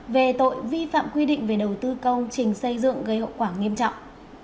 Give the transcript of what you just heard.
về tội vi phạm quy định về đầu tư công trình xây dựng gây hậu quả nghiêm trọng